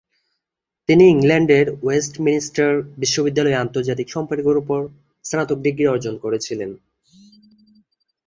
তিনি ইংল্যান্ডের ওয়েস্টমিনস্টার বিশ্ববিদ্যালয়ে আন্তর্জাতিক সম্পর্কের উপর স্নাতক ডিগ্রি অর্জন করেছিলেন।